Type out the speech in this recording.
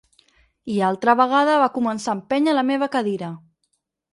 I altra vegada va començar a empènyer la meva cadira.